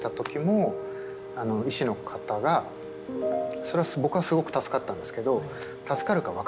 それは僕はすごく助かったんですけど。